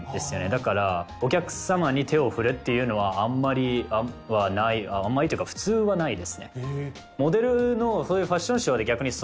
だからお客様に手を振るっていうのはあんまりはないあんまりっていうか普通はないですね。